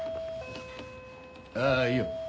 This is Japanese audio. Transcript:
あぁいいよ